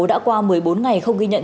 đã qua một mươi bốn ngày không ghi nhận